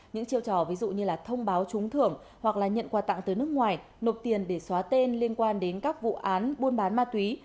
những chiêu trò ví dụ như là thông báo trúng thưởng hoặc là nhận quà tặng tới nước ngoài nộp tiền để xóa tên liên quan đến các vụ án buôn bán ma túy